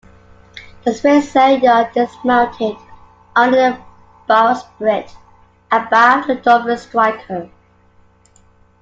The spritsail yard is mounted under the bowsprit, abaft the dolphin striker.